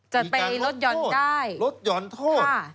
จะไปลดหย่อนได้ลดหย่อนโทษ